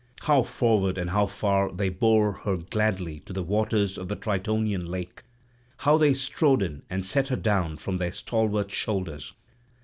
How forward and how far they bore her gladly to the waters of the Tritonian lake! How they strode in and set her down from their stalwart shoulders!